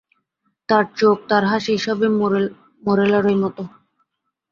তার চোখ, তার হাসি, সবই মোরেলারই মতো।